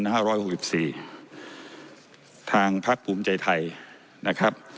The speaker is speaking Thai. ห้าร้อยหกสิบสี่ทางพักภูมิใจไทยนะครับ